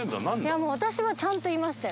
私はちゃんと言いましたよ。